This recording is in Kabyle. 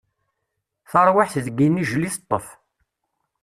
Tarwiḥt deg inijel i teṭṭef.